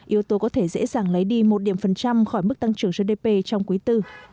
yếu tố có thể dễ dàng lấy đi một điểm phần trăm khỏi mức tăng trưởng gdp trong quý tư